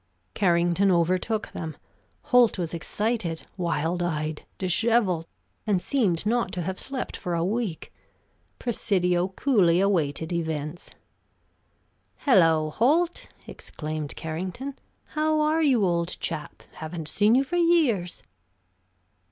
Carrington overtook them. Holt was excited, wild eyed, disheveled, and seemed not to have slept for a week. Presidio coolly awaited events. "Hello, Holt!" exclaimed Carrington. "How are you, old chap? Haven't seen you for years."